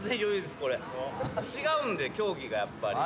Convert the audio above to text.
違うんで競技がやっぱり。